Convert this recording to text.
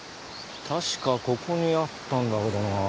たしかここにあったんだけどな。